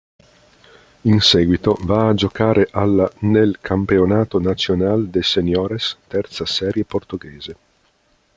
In seguito va a giocare alla nel Campeonato Nacional de Seniores, terza serie portoghese.